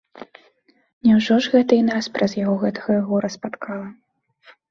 Няўжо ж гэта і нас праз яго гэтакае гора спаткала?